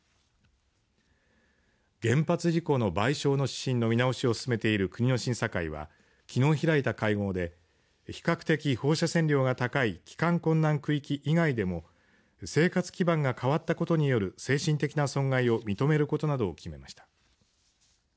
原発事故の賠償の指針の見直しを進めている国の審査会はきのう開いた会合で比較的放射線量が高い帰還困難区域以外でも生活基盤が変わったことによる精神的な損害を認めることなどを決めました。